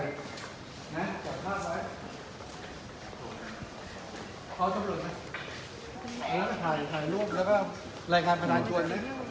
นะจับภาพไว้เขาจำนวนไหมแล้วก็ถ่ายถ่ายรูปแล้วก็รายการประหลาดชวน